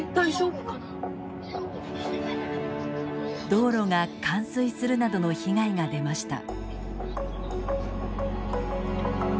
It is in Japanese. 道路が冠水するなどの被害が出ました。